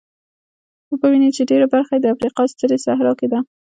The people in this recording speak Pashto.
وبه وینئ چې ډېره برخه یې د افریقا سترې صحرا کې ده.